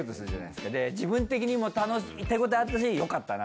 で自分的にも手応えあったしよかったな。